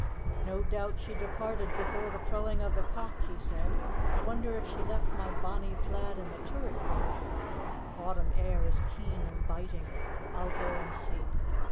"No doubt she departed before the crowing of the cock," he said. "I wonder if she left my bonnie plaid in the turret room. The autumn air is keen and biting. I'll go and see."